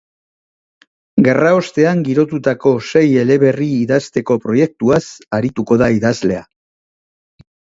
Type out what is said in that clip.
Gerraostean girotutako sei eleberri idazteko proiektuaz arituko da idazlea.